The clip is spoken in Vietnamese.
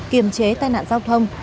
kiềm chế tai nạn giao thông